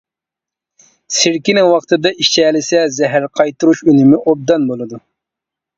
سىركىنى ۋاقتىدا ئىچەلىسە زەھەر قايتۇرۇش ئۈنۈمى ئوبدان بولىدۇ.